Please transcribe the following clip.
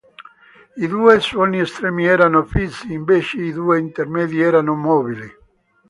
I due suoni estremi erano fissi, invece i due intermedi erano mobili.